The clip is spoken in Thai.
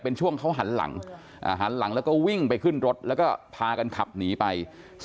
เป็นช่วงเขาหันหลังหันหลังแล้วก็วิ่งไปขึ้นรถแล้วก็พากันขับหนีไป